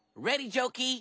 ジョーキー。